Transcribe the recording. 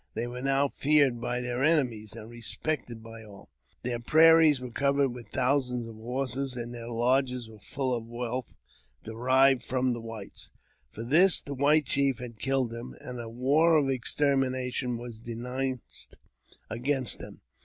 They were now feared by their enemifes, and respected by all; their prairies were covered with thousands of horses, and their lodges were full of the wealth derived from the whites. For this the white chief had killed him, and a war of extermination was denounced against them.